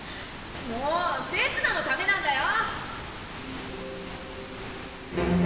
もうせつなのためなんだよ！？